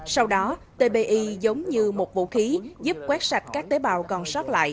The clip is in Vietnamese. sau đó tbi giống như một vũ khí giúp quét sạch các tế bào còn sót lại